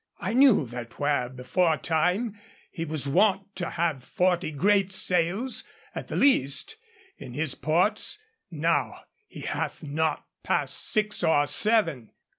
I knew that where beforetime he was wont to have forty great sails, at the least, in his ports, now he hath not past six or seven.